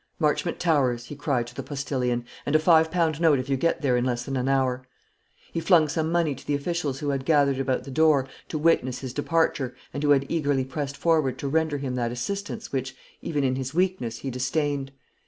"Marchmont Towers!" he cried to the postillion; "and a five pound note if you get there in less than an hour." He flung some money to the officials who had gathered about the door to witness his departure, and who had eagerly pressed forward to render him that assistance which, even in his weakness, he disdained.